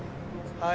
「はい」